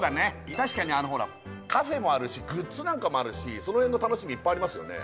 確かにほらカフェもあるしグッズなんかもあるしその辺の楽しみいっぱいありますよね